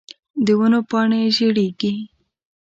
د ونو پاڼی زیړیږې